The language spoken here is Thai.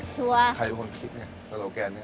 ชัวร์ใครเป็นคนคิดเนี่ยสโลแกนเนี่ย